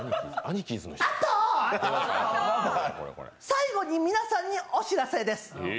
最後に皆さんにお知らせです。